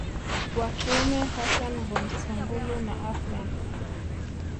wa kiume hassan Mbunsungulu na Ahmed